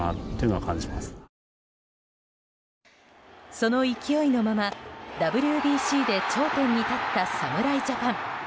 その勢いのままＷＢＣで頂点に立った侍ジャパン。